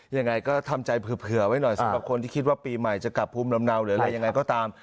ยังไงก็ทำใจเผื่อไว้หน่อยสำหรับคนที่คิดว่าปีใหม่จะกลับภูมิลำเนาหรืออะไรยังไงก็ตาม